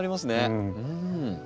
うん。